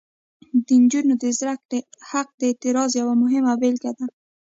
د نجونو د زده کړې حق د اعتراض یوه مهمه بیلګه ده.